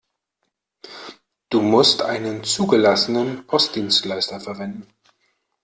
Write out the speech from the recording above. Du musst einen zugelassenen Postdienstleister verwenden.